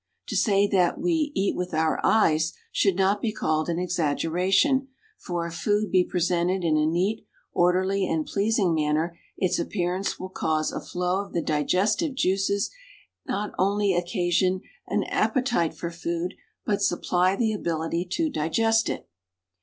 To say that "we eat with our eyes" .should not be called an exaggeration, for if food be pre sented in a neat, orderly and pleasing manner, its appearance will cause a flow of the digestive juices and not only occasion an appe tite for food, but supply the ability to digest it.